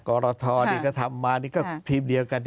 กรทอย่างนี้ก็ทำมาก็ทีมเดียวกัน